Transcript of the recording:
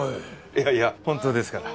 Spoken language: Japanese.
いやいや本当ですから。